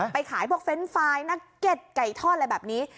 ไปขายพวกเฟรนด์ไฟล์นักเก็ตไก่ทอดอะไรแบบนี้